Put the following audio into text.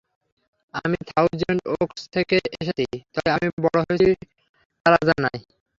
আমি Thousand Oaks থেকে এসেছি, তবে আমি বড় হয়েছি টারাজানায়।